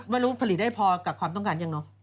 ผลิตได้พอกับความต้องการยังเนอะ